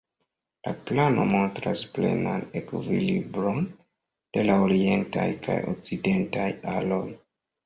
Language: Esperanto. La plano montras plenan ekvilibron de la orientaj kaj okcidentaj aloj.